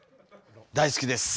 大好きです。